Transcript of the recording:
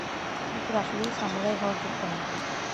কুকুর আসলেই সামুরাই হওয়ার যোগ্য না!